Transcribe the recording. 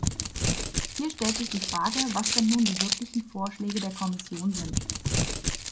Hier stellt sich die Frage, was denn nun die wirklichen Vorschläge der Kommission sind.